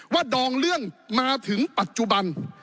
ดองเรื่องมาถึงปัจจุบัน